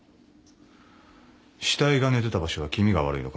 死体が寝てた場所は気味が悪いのか？